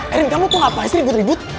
erin kamu tuh ngapain sih ribut ribut